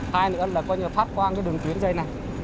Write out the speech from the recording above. hai nữa là coi như là phát quan cái đường tuyến dây này